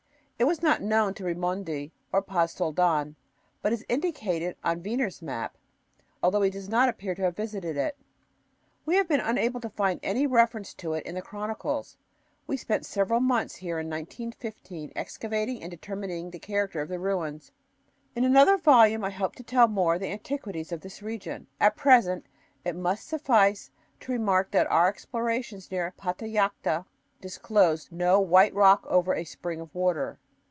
It was not known to Raimondi or Paz Soldan, but is indicated on Wiener's map, although he does not appear to have visited it. We have been unable to find any reference to it in the chronicles. We spent several months here in 1915 excavating and determining the character of the ruins. In another volume I hope to tell more of the antiquities of this region. At present it must suffice to remark that our explorations near Patallacta disclosed no "white rock over a spring of water."